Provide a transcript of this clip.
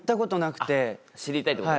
知りたいってこと？